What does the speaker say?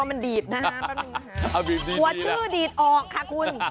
ปรับหยิบดีดนะหัวชื่อดีดออกค่ะคุณ